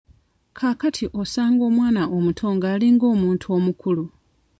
Kaakati osanga omwana omuto nga alinga omuntu omukulu.